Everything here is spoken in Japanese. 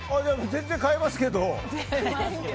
全然買えますけど。